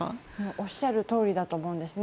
おっしゃるとおりだと思うんですね。